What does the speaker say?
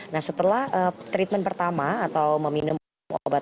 nah setelah treatment pertama atau meminum obat